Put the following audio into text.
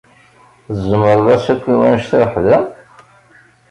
Tzemmreḍ-as akk i wannect-a weḥd-m?